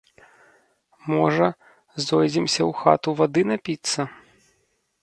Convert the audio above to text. Можа, зойдземся ў хату вады напіцца?